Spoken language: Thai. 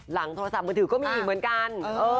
๕๕๔หลังโทรศัพท์มือถือก็มีเหมือนกัน